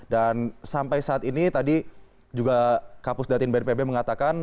dan sampai saat ini tadi juga kapus datin bnpb mengatakan